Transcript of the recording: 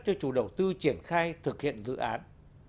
cho chủ đầu tư triển khai thực hiện dự án